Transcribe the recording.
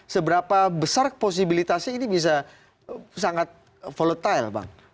seberapa besar posibilitasnya ini bisa sangat volatile bang